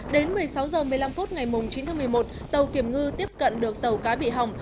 đến một mươi sáu h một mươi năm phút ngày chín tháng một mươi một tàu kiểm ngư tiếp cận được tàu cá bị hỏng